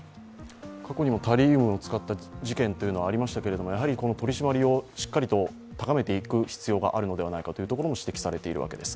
過去にもタリウムを使った事件というのはありましたけれども取り締まりをしっかりと高めていく必要があるのではないかというところも指摘されているわけです。